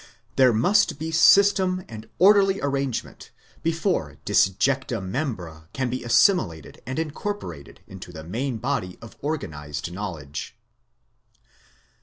There must be system and orderly arrangement, before disjecta membra can be assimilated and incorporated into the main body of organised knowledge.